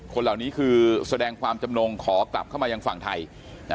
คนเหล่านี้คือแสดงความจำนงขอกลับเข้ามายังฝั่งไทย